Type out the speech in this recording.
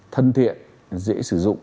thân thiện dễ sử dụng